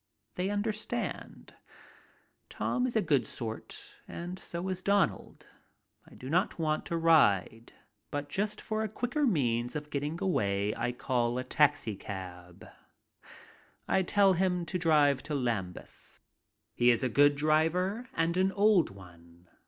They understand. Tom is a good sort and so is Donald. I do not want to ride, but just for a quicker means of getting away I call a taxicab. I tell him to drive to Lambeth. He is a good driver, and an old one.